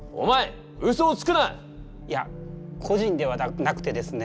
いや個人ではなくてですね